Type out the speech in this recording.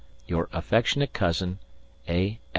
"Your affectionate cousin, "A.